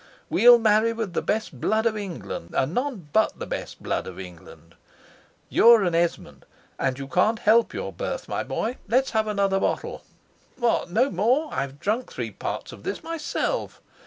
We'll marry with the best blood of England, and none but the best blood of England. You are an Esmond, and you can't help your birth, my boy. Let's have another bottle. What! no more? I've drunk three parts of this myself.